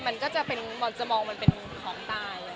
มันก็จะมองมันเป็นของตาย